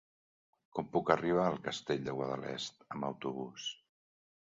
Com puc arribar al Castell de Guadalest amb autobús?